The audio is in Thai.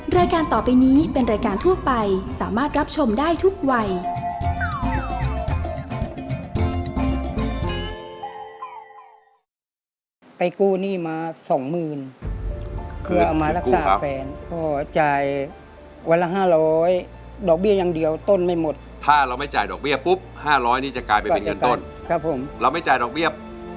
รายการต่อไปนี้เป็นรายการทั่วไปสามารถรับชมได้ทุกวัย